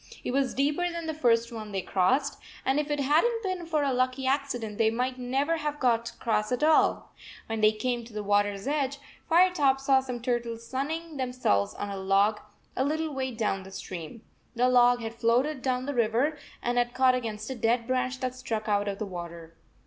It was deeper than the first one they crossed, and if it had n t been for a lucky accident, they might never have got across at all. When they came to the water s edge, Firetop saw some turtles sun ning themselves on a log a little way down the stream. The log had floated down the 84 river and had caught against a dead branch that stuck out of the water.